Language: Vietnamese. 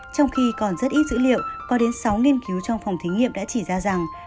trong khi còn rất ít dữ liệu có đến sáu nghiên cứu trong phòng thí nghiệm đã chỉ ra rằng